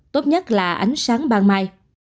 tốt nhất là ánh sáng ban mai